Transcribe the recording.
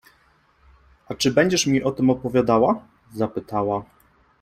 — A czy będziesz mi o tym opowiadała? — zapytała.